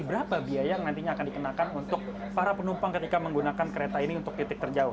berapa biaya yang nantinya akan dikenakan untuk para penumpang ketika menggunakan kereta ini untuk titik terjauh